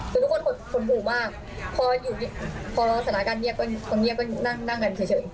คือทุกคนคนผู้มากพออยู่พอสนาการเงียบก็เงียบก็นั่งนั่งกันเฉยเฉย